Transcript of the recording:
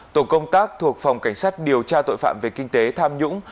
tổ công tác thuộc phòng cảnh sát điều tra tội phạm về kinh tế tham nhũng